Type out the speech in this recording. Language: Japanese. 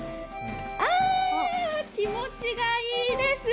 あ、気持ちがいいです。